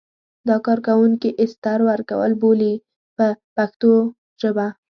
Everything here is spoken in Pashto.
دا کار رنګوونکي استر ورکول بولي په پښتو ژبه.